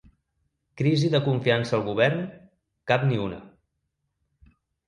Crisi de confiança al govern, cap ni una.